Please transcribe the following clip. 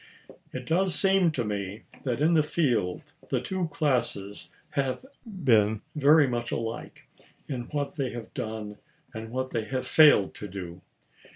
It does seem to me that in the field the two classes have been very much alike in what they have done and what they have failed to do.